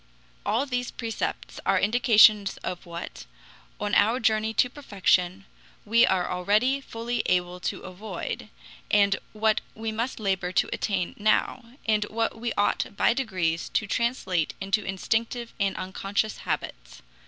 All these precepts are indications of what, on our journey to perfection, we are already fully able to avoid, and what we must labor to attain now, and what we ought by degrees to translate into instinctive and unconscious habits.